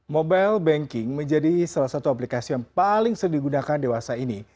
mobile banking menjadi salah satu aplikasi yang paling sering digunakan dewasa ini